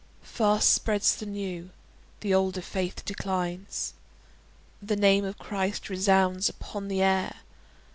Fast spreads the new; the older faith declines. The name of Christ resounds upon the air.